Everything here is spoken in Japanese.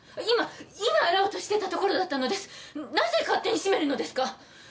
今洗おうとしていたところだったのですなぜ勝手に閉めるのですか？